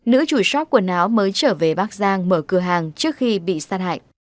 nữ chủ shop quần áo mới trở về bắc giang mở cửa hàng trước khi bị sát hại